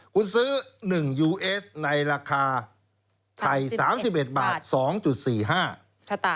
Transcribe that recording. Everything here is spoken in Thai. คุณซื้อ๑ยูเอสในราคาไทย๓๑บาท๒๔๕